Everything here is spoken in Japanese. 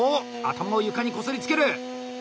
頭を床にこすりつける！